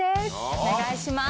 お願いします